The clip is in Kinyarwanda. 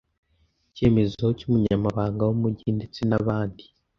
Icyemezo cy’umunyamabanga w’umugi ndetse n’abandi